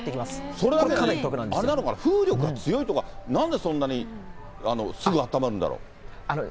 それだけあれなのかな、風力が強いとか、なんでそんなにすぐあったまるんだろう。